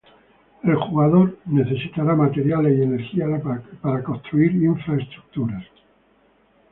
El jugador necesitará materiales y energía para construir infraestructuras.